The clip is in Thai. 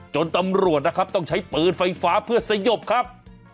จนตำรวจนะครับต้องใช้ปืนไฟฟ้าเพื่อสยบครับ